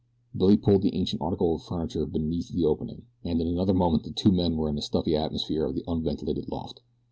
Billy pulled the ancient article of furniture beneath the opening, and in another moment the two men were in the stuffy atmosphere of the unventilated loft.